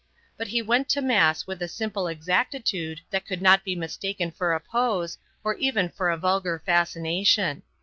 But he went to Mass with a simple exactitude that could not be mistaken for a pose, or even for a vulgar fascination.